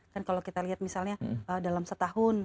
kan kalau kita lihat misalnya dalam setahun